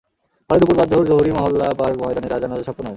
পরে দুপুরে বাদ জোহর জহুরী মহল্লা পার্ক ময়দানে তাঁর জানাজা সম্পন্ন হয়।